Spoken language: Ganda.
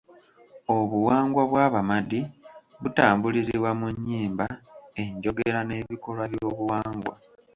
Obuwangwa bw'Abamadi butambulizibwa mu nnyimba, enjogera n'ebikolwa by'obuwangwa.